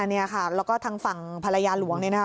นี่ค่ะแล้วก็ทางฝั่งภรรยาหลวงเนี่ยนะคะ